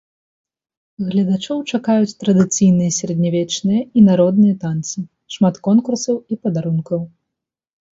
Гледачоў чакаюць традыцыйныя сярэднявечныя і народныя танцы, шмат конкурсаў і падарункаў!